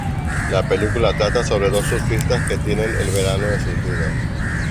La película trata sobre dos surfistas que tienen el verano de sus vidas.